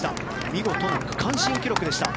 見事な区間新記録でした。